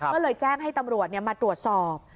ก็เลยแจ้งให้ตำรวจมาตรวจสอบ